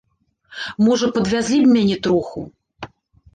— Можа, падвязлі б мяне троху?